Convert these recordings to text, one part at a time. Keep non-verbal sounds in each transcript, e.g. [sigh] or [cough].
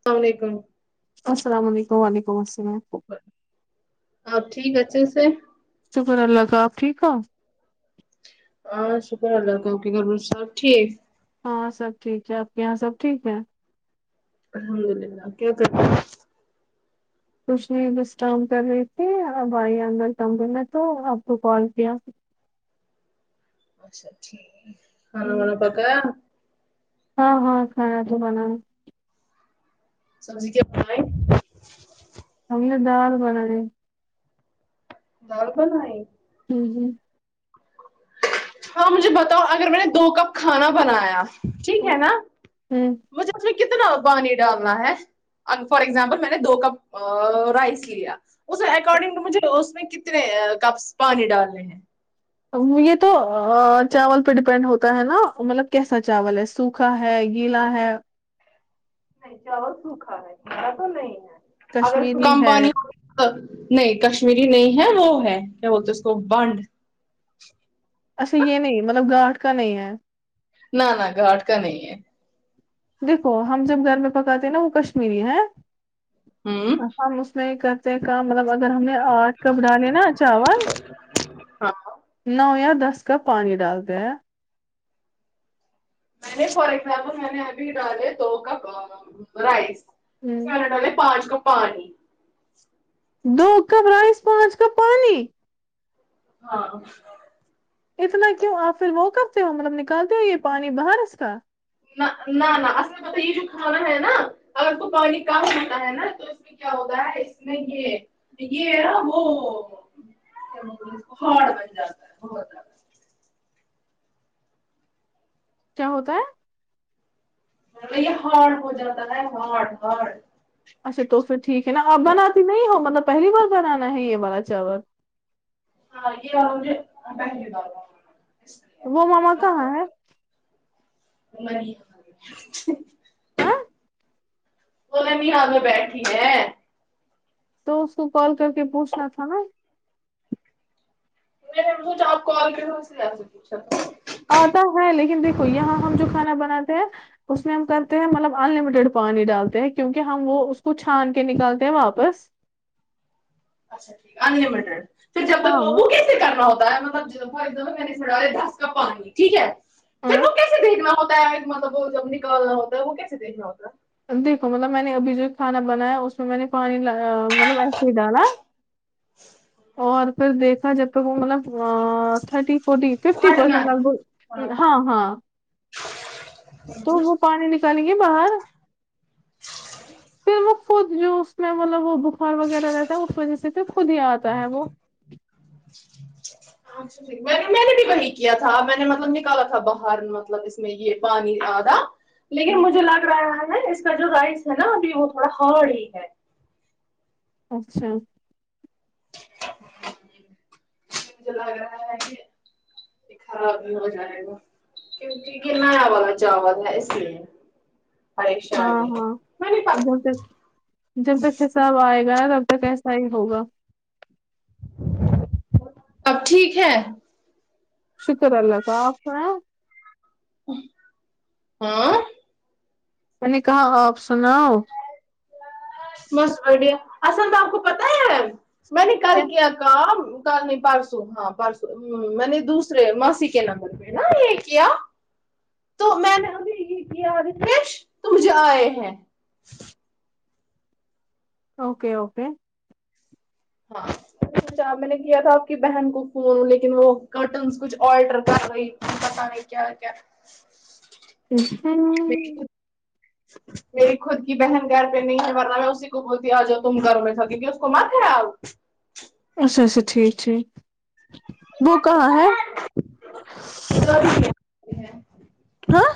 السلام علیکم السلام علیکم وعلیکم السلام آپ ٹھیک اچھے سے شکر اللہ کا آپ ٹھیک ہو ہاں شکر اللہ کا آپ کے گھر مے سب ٹھیک ہاں سب ٹھیک ہے آپ کے یہاں سب ٹھیک ہے الحمد للہ کیا کرتے ہیں کچھ نہیں بس کام کر رہی تھی اب آئی اندر کمرے میں تو آپ کو کال کیا اچھا ٹھیک ہے کھان وانا پکایا ہاں ہاں کھانا تو بناۓ سبزی کیا بنائی ہم نے دال بناۓ دال بنائی ھم ھم ہاں مجھے بتاؤ اگر میں نے دو کپ کھانا بنایا ٹھیک ہے ہوں نا ہوں مجھے اس میں کتنا پانی ڈالنا ہے اینڈ فار ایگزامپل میں نے دو کپ رائس لیا اس اکارڈنگ تو مجھے اس میں کتنے کپس پانی ڈالنے ہیں یہ تو چاول پہ ڈپینڈ ہوتا ہے نا مطلب کیسا چاول ہے سوکھا ہے گیلا ہے چاول سوکھا ہے گیلا تو نہیں ہے اگر کشمیری ہے [unintelligible] نہیں کشمیری نہیں ہے وہ ہے کیا بولتے اس کو بنڈ ایسا یہ نہیں مطلب گاٹ کا نہیں ہے نہ نہ گاٹ کا نہیں ہے دیکھو ہم جب گھر میں پکاتے ہیں نا وہ کشمیری ہے ہوں ہم اس میں کرتے ہے کام مطلب اگر ہم نے آٹھ کپ ڈالے نا چاول ہاں نو یا دس کپ پانی ڈالتے ہیں میں نے فار ایگزامپل میں نے ابھی ڈالے ہے دو کپ رائس اسمیں میں نے ڈالے پانچ کپ پانی دو کپ رائس پانچ کپ پانی ہاں اتنا کیوں آپ پھر وہ کرتے ہو مطلب نکالتے ہو یہ پانی باہر اس کا نہ نہ نہ اصل پتا یہ جو کھانا ہے نا اگر کو پانی کم ہوتا ہے نا تو کیا ہوتا ہے اس میں یہ یہ نا وہ کیا بولتے ہے اسکو ہارڈ بن جاتا ہے ہارڈ کیا ہوتا ہے میں بولی ہارڈ ہو جاتا ہے ہارڈ ہارڈ اچھا تو پھر ٹھیک ہے نا آپ بناتی نہیں ہو مطلب پہلی بار بنانا ہے یہ والا چاول ہاں یہے با [unintelligible] وہ ماما کہاں ہے منی ہاں تو نے بھی آاں میں بیٹھی ہے تو اس کو کال کر کے پوچھنا تھا نا ھ آپ کال کر اس سے جا س پچھا آتا ہے لیکن دیکھو یہاں ہم جو کھانا بناتے ہیں اس میں ہم کرتے ہیں مطلب ان لمیٹیڈ پانی ڈالتے ہیں کیونکہ ہم وہ اس کو چھان کے نکالتے ہیں واپس اچھا ٹھیک انٹیڈ پ جب تک ہاں وہ کیسے کرنا ہوتا ہے مطلب فار ایگزامپل میں نے چڑا رہے دس کپانانی ٹھیک ہے سر ہاں وہ کیسے دیکھنا ہوتا ہے مطلب وہ جب نکالنا ہوتا ہے وہ کیسے دیکھنا ہوتا ہے دیکھو مطلب میں نے ابھی جو کانا بنایا اس میں نے پانی مطلب ایسے ہی ڈالا ناقابل سماعت اور پھر دیکھا جب تک وہ مطلب تھرٹی فٹی ہے ففٹی ہٹنا ہے پرسینٹ ہاں ہاں تو ہاں وہ پانی نکالیں گے باہر پھر وہ خود جو اس میں مطلب وہ بخار وغیرہ رہتا ہے اس وجہ سے پھر خود ہی آتا ہے وہ آاں میں نے بھی وہی کیا تھا میں نے مطلب نکالا تھا باہر مطلب اس میں یہ پانی آدھا لیکن مجھے لگ رہا ہے نا اس کا جو رائس ہے نا ابھی وہ تھوڑا ہرڈ ہی ہے اچھا مجھے لگ رہا ہے کہ د ہو جائے گا کیونکہ کنا آوا بچاواز ہے اس لیے پریشاانی م پ ب سک جب تک حساب آئے گا تب تک ایسا ہی ہوگا اب ٹھیک ہے شکر اللہ صاحپ ہاں میں نے کہا آپ سناؤ مس آئیڈیا آند آپ کو پتا ہے میں نے کل کیا کام کال نہیں پرارسو ہاں پرارسو میں نے دوسرے ماسی کے نمبر میں نا یہ کیا تو میں نے ابھی یہ کیا رش ت مجھے آئے ہیں اوکے اوکے ہاں چھ آپ میں نے کیا تھا آپ کی بہن کو فون لیکن وہ کرٹنس کچھ آلٹر کر رہی پتا نہیں کیا کیا اسس ناقابل فہم میری خود کی بہن گھر پہ نہیں ہے ورنہ میں اسی کو بولتی آ جو تم گھروں میں تھا کیکہ اس کو مات آؤ اچھا اچھا ٹھیک ٹھیک وہ کہاں ہے وہ ہاں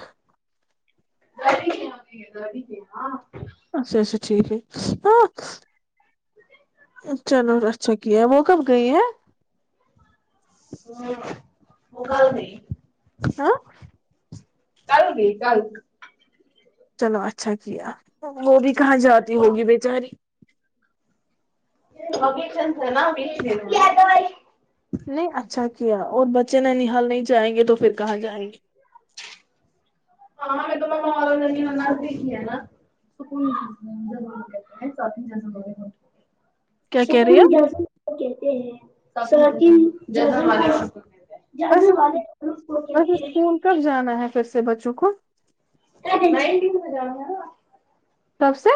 دری د گاں اچھا اچھا ٹھیک ہے ہاں چلو اچھا کیا ہے وہ کب گئی ہے ہ وہگال نہیں ہاں کل ہوگی کل چلو اچھا کیا وہ بھی کہاں جاتی ہوگی بے چاری ابھی [unintelligible] نہیں اچھا کیا اور بچے ننھیال نہیں جائیں گے تو پھر کہاں جائیں گے ہاں میں تو [unintelligible] نزدیک ہی ہے نہ [unintelligible] [unintelligible] کیا کہہ سکون رہی ہو جازو ویسے والے اس کو ویسے کہتے ہے اسکول کب جانا ہے پھر سے بچوں کو [inaudible] کب سے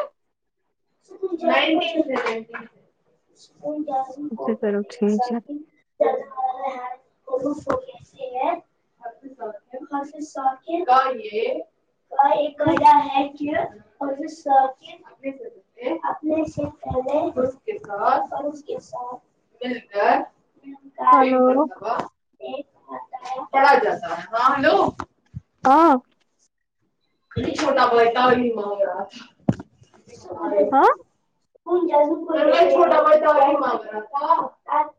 [inaudible] اچھا چلو کہتے ہیں ٹھیک ہے [unintelligible] [unintelligible] [unintelligible] اپنے سے پہلے اس کے ساتھ مل کر ایک ہلو مرتبہ ایک مرتبہ پڑھا جاتا ہے ہاں ہیلو ہاں ہاں [unintelligible] [unintelligible]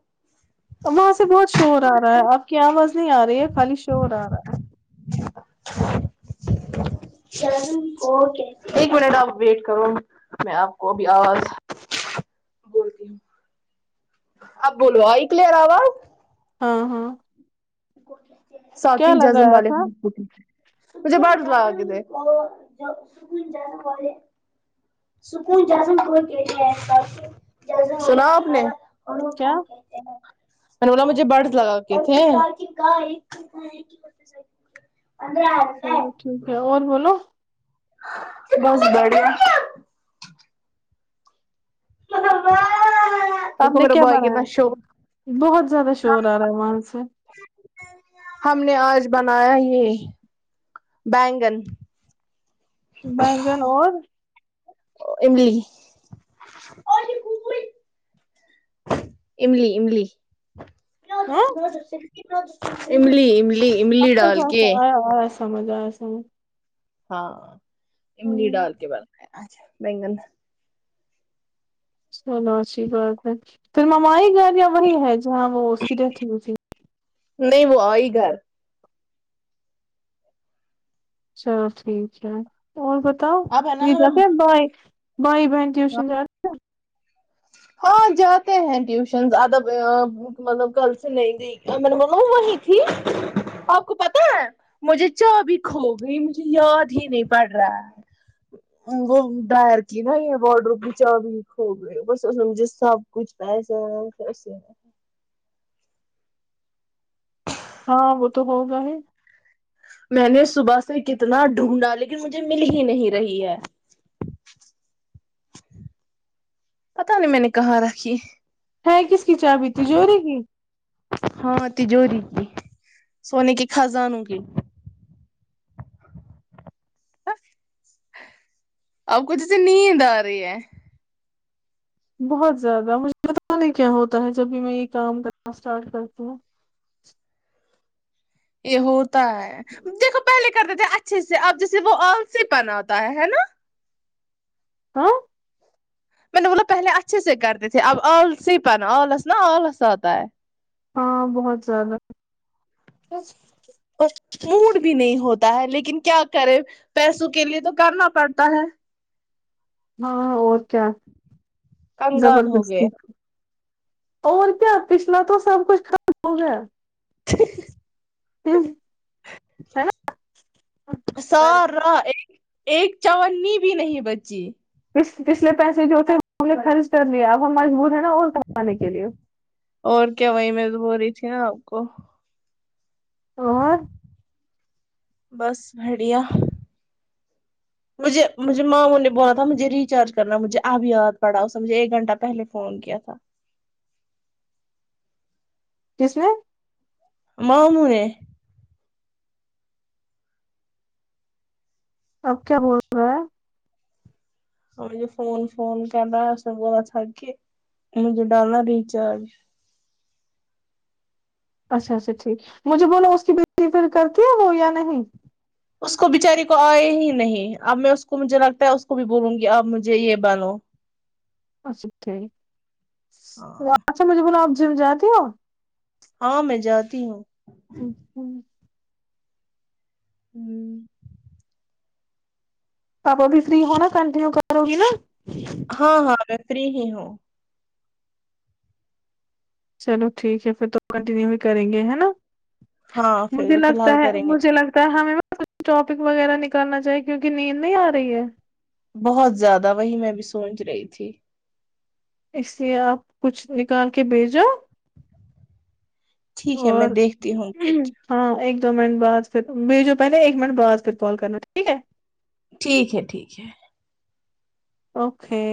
وہاں سے بہت شور آ رہا ہے آپ کی آواز نہیں آ رہی ہے خالی شور آ رہا ہے [inaudible] ایک منٹ آپ ویٹ کرو میں آپ کو ابھی آواز بولتی ہوں اب بولو آئی کلیر آواز ہاں ہاں ساکن کیا جزم لگایا تھا والےحروف کہتے ہیں مجھے باڑ [unintelligible] سنا آپ نے کیا وہ نہ مجھے برڈ س لگاکے تھے [unintelligible] چلو ٹھیک ہے اور بولو بہت بڑھیا [unintelligible] آپ نے کیا بوائے کتنا شوق بنایا بہت زیادہ شور آ رہا ہے وہاں سے ہم نے آج بنایا ہے یہ بیگن بیگن اور املی املی املی ہاں املی املی اچھا اچھا ڈال اچھا اچھا کے آیا آیاسمجھ آیا سمجھ ہاں املی ہمم ڈال کے بنایا آج بیگن چلو اچھی بات ہے پھر مما آئی گھر یا وہی ہے جہاں وہ اس کی ڈیتھ ہوئی تھی نہیں وہ آئی گھر چلو ٹھیک ہے اور بتاؤ اب ہے نا یہ جاتے ہیں بھائی بھائی بہن ٹیوشن جارے ہاں جاتے ہیں ٹیوشنز اب اب وہ مطلب کل سے نہیں دیکھا میں نے بولا وہی تھی آپ کو پتا ہے مجھےسے چابی کھو گئی مجھے یاد ہی نہیں پڑ رہا ہے وہ ڈائر کی نہں واڈروب کی چابی کھو گئ بس اس میں سب کچھ پیسے ہاں وہ تو ہوگا ہی میں نے صبح سے کتنا ڈھونڈا لیکن مجھے مل ہی نہیں رہی ہے پتا نہیں میں نے کہاں رکھی ہے کس کی چابی تجوری کی ہاں تجوری کی سونے کے خزانوں کی ہا آپ کو جیسے نیند آ رہی ہے بہت زیادہ مجھے پتہ نہیں کیا ہوتا ہے جب بھی میں یہ کام کرنا اسٹارٹ کرتی ہوں یہ ہوتا ہے دیکھو پہلے کرتے تھے اچھے سے اب جیسے وہ آلسی پن آتا ہے ہے نا ہاں میں نے بولا پہلے اچھے سے کرتے تھے اب آلسی پنا آلس نا آلس آتا ہے ہاں بہت زیادہ اور موڈ بھی نہیں ہوتا ہے لیکن کیا کرے پیسوں کے لیے تو کرنا پڑتا ہے ہاں اور کیا کنگال ہو زبردستی گئے اور کیا پچھلا تو سب کچھ خراب ہو گیا ہا ہا سارا ایک چونی بھی نہیں بچی پیس پچھلے پیسے جو تھے وہ ہم نے خرچ کر لیا اب ہم مجبور ہے نا اور کمانے کے لیے اور کیا وہی میں تو بول رہی تھی نا آپ کو اور بس بڑھیا مجھے مجھے ماموں نے بولا تھا مجھے ریچارج کرنا مجھے اب یاد پڑا اس نے مجھے ایک گھنٹہ پہلے فون کیا تھا کس نے ماموں نے اب کیا بول رہا ہے اور مجھے فون فون کر رہا ہے اس نے بولا تھا کہ مجھے ڈالنا ریچارج اچھا اچھا ٹھیک مجھے بولا اس کی بیٹی پھر کرتی ہے وہ یا نہیں اس کو بچاری کو آئے ہی نہیں اب میں اس کو مجھے لگتا ہے اس کو بھی بولوں گی اب مجھے یہ ڈالو اچھا ٹھیک ہاں اچھا مجھے بولو آپ جم جاتی ہو ہاں میں جاتی ہوں اںہو ہا ہوں آپ ابھی فری ہونا کنٹینیو کرو گی نا ہاں ہاں میں فری ہی ہوں چلو ٹھیک ہے پھر تو کنٹینیو ہی کریں گے ہے نا ہاں فی مجھے فی لگتا الحال ہے کریں گے مجھے لگتا ہے ہمیں کچھ ٹاپک وغیرہ نکالنا چاہیے کیونکہ نیند نہیں آ رہی ہے بہت زیادہ وہی میں بھی سوچ رہی تھی اس لیے آپ کچھ نکال کے بھیجو ٹھیک ہے میں اور دیکھتی ہوں کچھ ہاں ایک دو منٹ بعد پھر بھیجو پہلے ایک منٹ بعد پھر کال کرنا ٹھیک ہے ٹھیک ہے ٹھیک ہے اوکے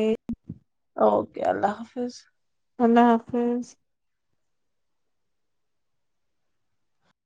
اوکے اللہ حافظ اللہ حافظ